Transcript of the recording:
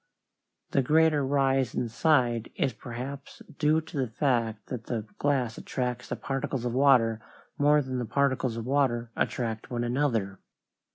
The greater rise inside is perhaps due to the fact that the glass attracts the particles of water more than the particles of water attract one another.